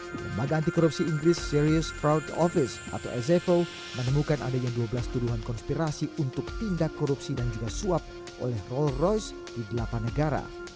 lembaga antikorupsi inggris serious proud office atau esevo menemukan adanya dua belas tuduhan konspirasi untuk tindak korupsi dan juga suap oleh rolls royce di delapan negara